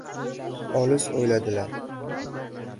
Olis o‘yladilar.